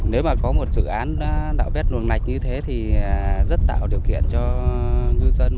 nếu mà có một dự án nạo vét luồng lạch như thế thì rất tạo điều kiện cho ngư dân